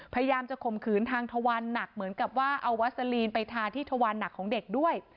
พยายามจะข่มขืนทางทวันหนักเหมือนกับว่าเอาวัสลีนไปทาที่ทวันหนักของเด็กด้วย